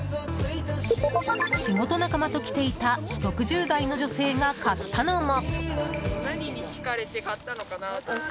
仕事仲間と来ていた６０代の女性が買ったのも。